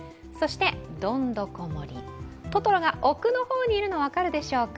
どんどこ森、トトロが奥の方にいるのが分かるでしょうか。